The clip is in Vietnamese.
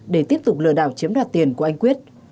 để tiếp tục lừa đảo chiếm đoạt tiền của anh quyết